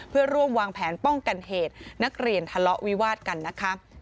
เพื่อร่วมวางแผนป้องกันเหตุนักเรียนทะเลาะวิวาดกันนะคะ